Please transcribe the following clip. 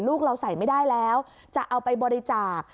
ลูกเราใส่ไม่ได้แล้วจะเอาไปบริจาค